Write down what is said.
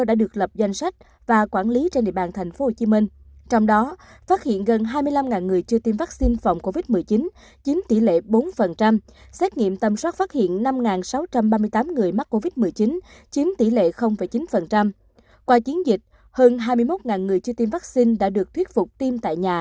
đã được lập danh sách và quản lý trên địa bàn tp hcm